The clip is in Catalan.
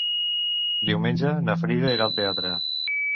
Diumenge na Frida irà al teatre.